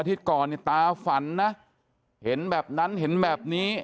๒อาทิตย์ก่อนตาฝันนะเห็นแบบนั้นเห็นแบบนี้